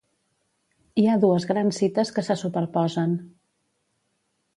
Hi ha dues grans cites que se superposen.